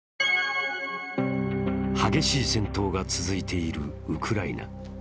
激しい戦闘が続いているウクライナ。